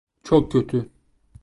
Çok kötü.